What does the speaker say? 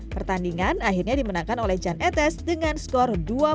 pertandingan akhirnya dimenangkan oleh jan etes dengan skor dua puluh satu